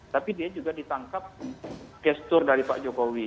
tapi dia juga ditangkap gestur dari pak jokowi